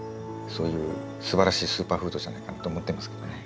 そういうすばらしいスーパーフードじゃないかなと思ってますけどね